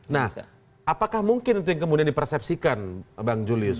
nah apakah mungkin itu yang kemudian dipersepsikan bang julius